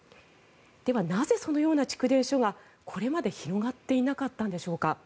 では、なぜそのような蓄電所がこれまで広がっていなかったんでしょう。